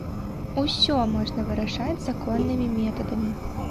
Усё можна вырашаць законнымі метадамі.